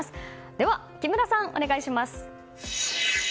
では木村さん、お願いします。